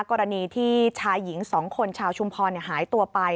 กรณีที่ชายหญิง๒คนชาวชุมพรหายตัวไป